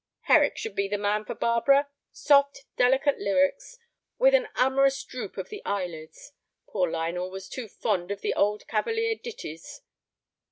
"Herrick should be the man for Barbara. Soft, delicate lyrics, with an amorous droop of the eyelids. Poor Lionel was too fond of the old Cavalier ditties."